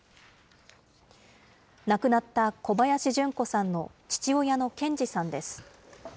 亡くなった小林順子さんの父親の賢二さんです。